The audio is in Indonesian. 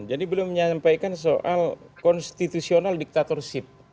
jadi beliau menyampaikan soal konstitusional dictatorship